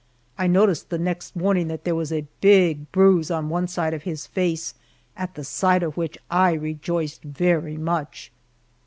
I noticed the next morning that there was a big bruise on one side of his face, at the sight of which I rejoiced very much.